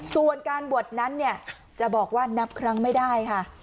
ส่วนการบวชนั้นเนี่ยจะบอกว่านับครั้งไม่ได้ค่ะ